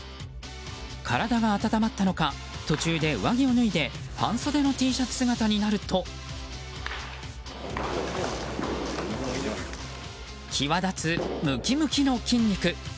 体が温まったのか途中で上着を脱いで半袖のＴシャツ姿になると際立つムキムキの筋肉。